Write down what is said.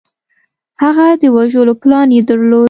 هغه د وژلو پلان یې درلود